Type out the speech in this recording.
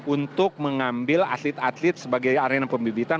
untuk mengambil atlet atlet sebagai arena pembibitan